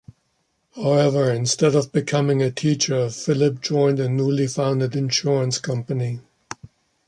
However, instead of becoming a teacher, Filip joined a newly founded insurance company.